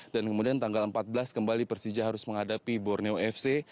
dan kemudian tanggal empat belas kembali persija harus menghadapi borneo fc